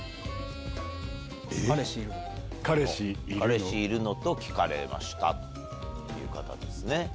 「『彼氏いるの？』と聞かれました」という方ですね。